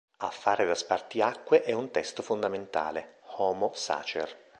A fare da spartiacque è un testo fondamentale: "Homo sacer.